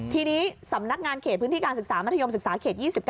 ทีนี้สำนักงานเขตพื้นที่การศึกษามัธยมศึกษาเขต๒๙